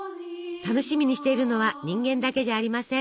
楽しみにしているのは人間だけじゃありません。